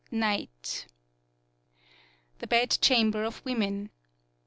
NIGHT The bed chamber of women.